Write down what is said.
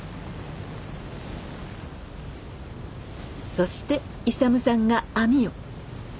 そして勇さんが網を。